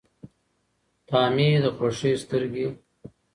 تامي د خوښۍ سترګي